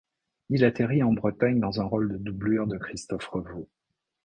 Il atterrit en Bretagne dans un rôle de doublure de Christophe Revault.